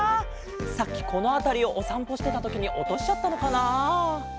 さっきこのあたりをおさんぽしてたときにおとしちゃったのかな。